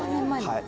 はい。